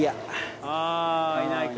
あいないか。